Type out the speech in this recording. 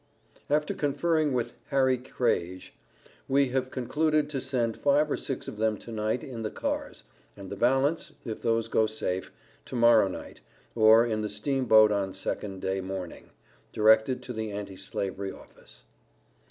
After conferring with Harry Craige, we have concluded to send five or six of them tonight in the cars, and the balance, if those go safe, to morrow night, or in the steam boat on Second day morning, directed to the Anti Slavery office.